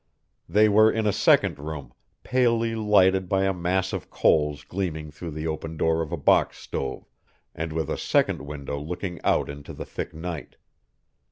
They were in a second room, palely lighted by a mass of coals gleaming through the open door of a box stove, and with a second window looking out into the thick night.